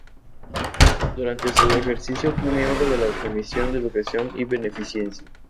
Durante su ejercicio fue miembro de la Comisión de Educación y Beneficencia.